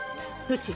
どっち？